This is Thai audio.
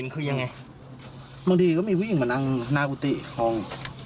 กูบางทีก็มีผู้หญิงมานั่งนากุตติหลอง